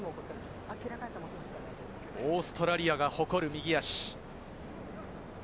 オーストラリアが誇る右足。